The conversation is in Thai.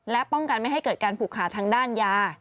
และป้องกันไม่ให้เกิดการผูกขาทางด้านยา